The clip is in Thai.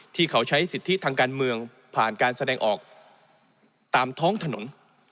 ที่เขาใช้สิทธิทางการเมืองผ่านการแสดงออกตามท้องถนน